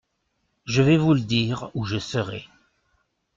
Je vais vous le dire où je serai.